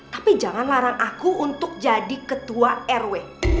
tapi jangan larang aku untuk jadi ketua rw